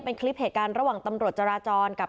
เป็นคลิปเหตุการณ์ระหว่างตำรวจจราจรกับ